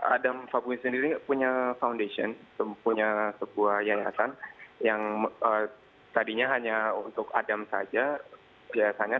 adam fabuhi sendiri punya foundation punya sebuah yayasan yang tadinya hanya untuk adam saja biasanya